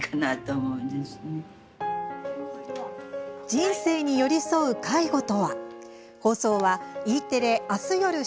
人生に寄り添う介護とは？